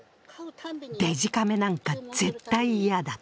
デジカメなんか絶対嫌だと。